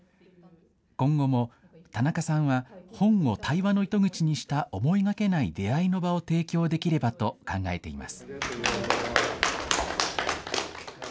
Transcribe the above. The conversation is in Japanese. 今後も、田中さんは本を対話の糸口にした思いがけない出会いの場を提供できればと考えています。